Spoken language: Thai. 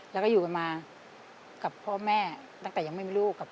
แล้วก็อยู่กันมากับพ่อแม่ตั้งแต่ยังไม่มีลูกกับ